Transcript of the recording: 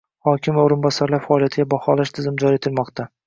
Hokim va o‘rinbosarlar faoliyatiga baholash tizimi joriy etilmoqda